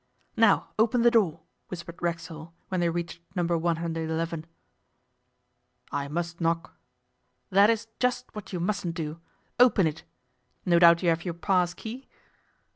'Now open the door,' whispered Racksole, when they reached No.111. 'I must knock.' 'That is just what you mustn't do. Open it. No doubt you have your pass key.